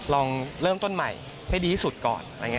ลองเริ่มต้นใหม่ให้ดีที่สุดก่อน